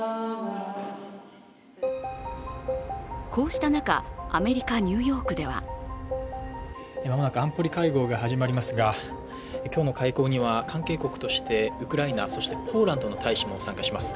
こうした中、アメリカ・ニューヨークでは間もなく安保理会合が始まりますが今日の会合には関係国としてウクライナ、そしてポーランドの大使も参加します。